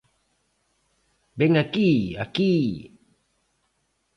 Ven aquí, aquí!